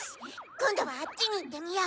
こんどはあっちにいってみよう！